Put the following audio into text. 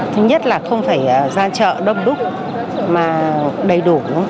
thứ nhất là không phải ra chợ đông đúc mà đầy đủ nữa